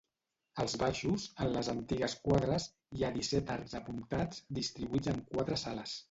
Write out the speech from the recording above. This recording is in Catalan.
Als baixos, en les antigues quadres, hi ha disset arcs apuntats, distribuïts en quatre sales.